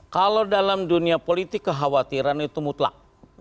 kalau dalam dunia politik kekhawatiran itu mutlak